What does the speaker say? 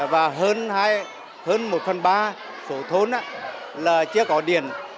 và hơn một phần ba số thôn là chưa có điện